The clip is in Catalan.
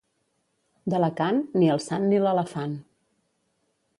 D'Alacant, ni el sant ni l'elefant.